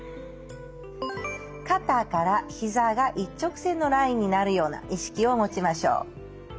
肩からひざが一直線のラインになるような意識を持ちましょう。